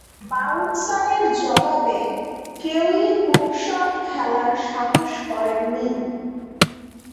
বাউন্সারের জবাবে কেউই hook shot খেলার সাহস করেননি।